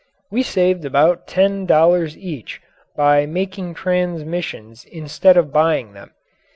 We saved about ten dollars each by making transmissions instead of buying them.